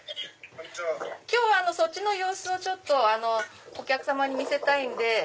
今日そっちの様子をお客様に見せたいんで。